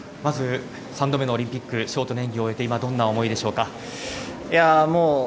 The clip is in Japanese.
３度目のオリンピック、ショートの演技を終えて、今どんな思いですか？